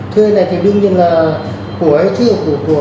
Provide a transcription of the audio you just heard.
thuê này thì đương nhiên là của ấy chứ không có sự chỉ đạo